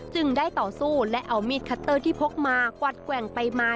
ได้ต่อสู้และเอามีดคัตเตอร์ที่พกมากวัดแกว่งไปมา